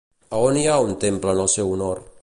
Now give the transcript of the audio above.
A on hi ha un temple en el seu honor?